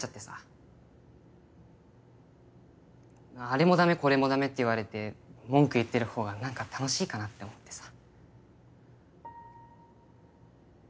あれも駄目これも駄目って言われて文句言ってるほうがなんか楽しいかなって思ってさ。